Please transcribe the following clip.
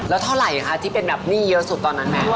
แล้วเท่าไหร่คะที่เป็นแบบหนี้เยอะสุดตอนนั้นแม่